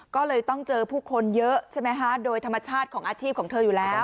ก็เลยต้องเจอผู้คนเยอะใช่ไหมคะโดยธรรมชาติของอาชีพของเธออยู่แล้ว